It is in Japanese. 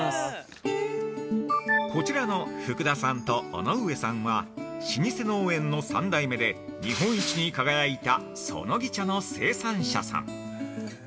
◆こちらの福田さんと尾上さんは、老舗農園の３代目で日本一に輝いた「そのぎ茶」の生産者さん。